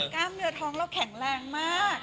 กล้ามเนื้อท้องเราแข็งแรงมาก